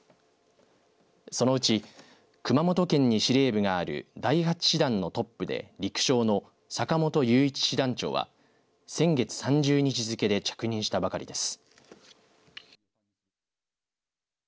そのうち熊本県に司令部がある第８師団のトップで陸将の坂本雄一師団長は先月３０日付で着任したばかりです。